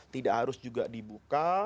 tidak harus juga dibuka